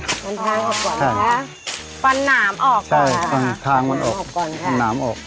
ฟันทางออกก่อนนะคะฟันหนามออกก่อนนะคะฟันหนามออก